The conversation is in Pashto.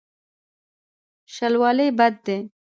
شلوالی بد دی.